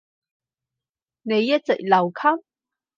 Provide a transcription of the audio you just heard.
你一直留級？